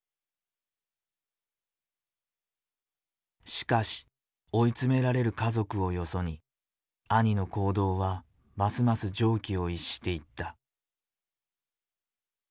しかし追い詰められる家族をよそに兄の行動はますます常軌を逸していった。